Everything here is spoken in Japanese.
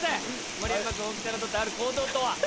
盛山君大木さんがとったある行動とは？